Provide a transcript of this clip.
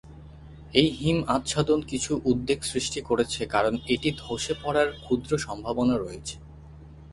এই হিম আচ্ছাদন কিছু উদ্বেগ সৃষ্টি করেছে কারণ এটি ধসে পড়ার ক্ষুদ্র সম্ভাবনা রয়েছে।